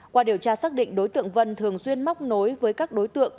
qua điều tra xác định đối tượng vân thường xuyên móc nối với các đối tượng